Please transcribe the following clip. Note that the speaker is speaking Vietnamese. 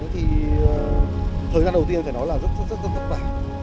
thời gian đầu tiên phải nói là rất rất rất thất vả